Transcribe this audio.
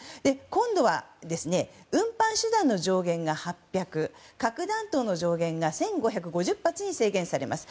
今度は、運搬手段の上限が８００核弾頭の上限が１５５０発に制限されます。